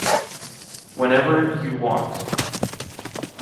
Whenever you want.